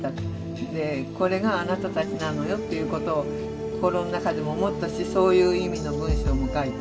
これがあなたたちなのよっていうことを心の中でも思ったしそういう意味の文章も書いた。